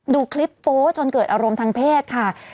ดูคลิปโป๊จนเกิดอารมณ์ทางเพศค่ะ